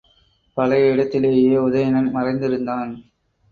பழைய இடத்திலேயே உதயணன் மறைந்திருந்தான்.